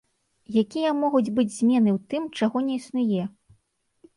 Якія могуць быць змены ў тым, чаго не існуе?